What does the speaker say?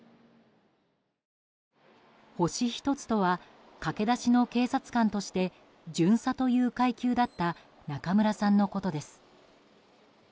星一つとは駆け出しの警察官として巡査という階級だった中村さんのことです。